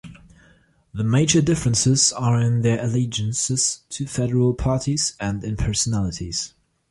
The major differences are in their allegiances to federal parties and in personalities.